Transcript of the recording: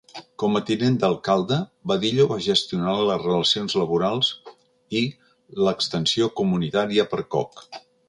Com a tinent d"alcalde, Badillo va gestionar les relacions laborals i l"extensió comunitària per Koch.